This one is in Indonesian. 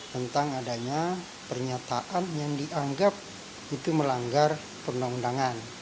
tentang adanya pernyataan yang dianggap itu melanggar perundangan